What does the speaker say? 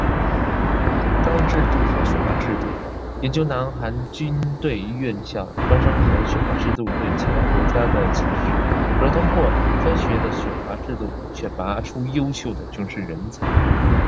招生和选拔制度：研究韩国军队院校招生和选拔制度对其他国家的启示，如何通过科学的选拔制度选拔出优秀的军事人才